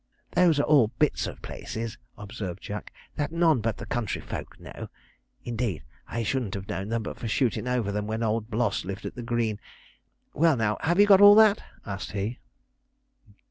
Those are all bits of places, observed Jack, 'that none but the country folks know; indeed, I shouldn't have known them but for shootin' over them when old Bloss lived at the Green. Well, now, have you got all that?' asked he.